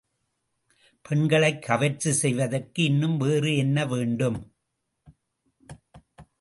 பெண்களைக் கவர்ச்சி செய்வதற்கு இன்னும் வேறு என்ன வேண்டும்?